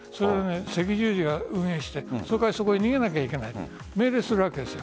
赤十字が運営してそこに逃げなきゃいけないと命令するわけです。